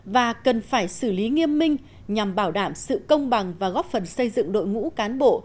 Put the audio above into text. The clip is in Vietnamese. và cần phải xử lý nghiêm minh nhằm bảo đảm sự công bằng và góp phần xây dựng đội ngũ cán bộ